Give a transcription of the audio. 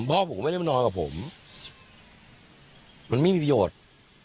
พ่อผมก็ไม่ได้มานอนกับผมมันไม่มีประโยชน์